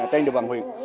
trên đường bằng huyện